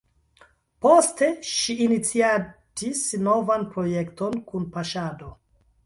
Poste ŝi iniciatis novan projekton Kunpaŝado.